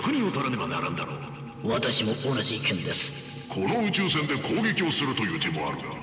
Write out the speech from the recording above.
この宇宙船で攻撃をするという手もあるが。